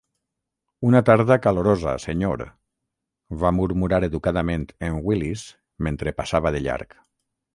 "Una tarda calorosa, senyor", va murmurar educadament en Willis mentre passava de llarg.